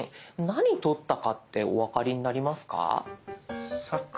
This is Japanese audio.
何撮ったかってお分かりになりますか？